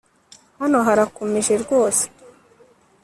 hano harakomeje rwose